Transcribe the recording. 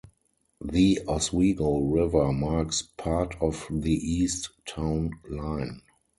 The Oswego River marks part of the east town line.